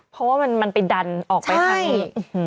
เพราะว่ามันไปดันออกไปทาง